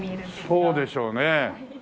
そうでしょうね。